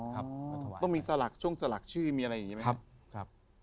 ต้องมีสลักช่วงสลักชื่อมีอะไรอย่างนี้ไหมครับ